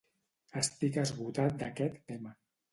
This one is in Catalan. Estic esgotat d'aquest tema.